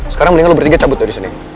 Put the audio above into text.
sekarang mendingan lo bertiga cabut dari sini